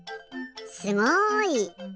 すごい！